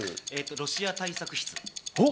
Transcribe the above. ロシア対策室。